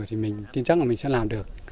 thì mình tin chắc là mình sẽ làm được